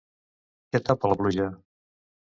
Què tapa la pluja?